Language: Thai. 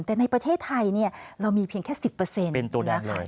แต่ในประเทศไทยเรามีเพียงแค่๑๐เป็นตัวแรกเลย